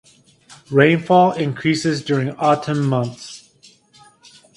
Rainfall increases during autumn months.